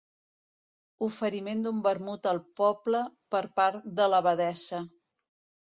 Oferiment d'un vermut al poble per part de l'abadessa.